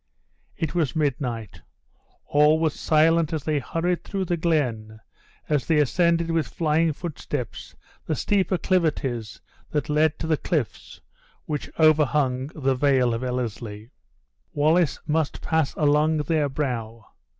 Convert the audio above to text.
It was midnight all was silent as they hurried through the glen, as they ascended with flying footsteps the steep acclivities that led to the cliffs which overhung the vale of Ellerslie. Wallace must pass along their brow.